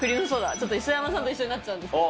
ちょっと磯山さんと一緒になっちゃうんですけど。